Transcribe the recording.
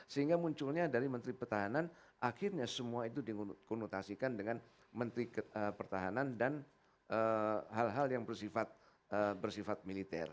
sehingga munculnya dari menteri pertahanan akhirnya semua itu dikonotasikan dengan menteri pertahanan dan hal hal yang bersifat militer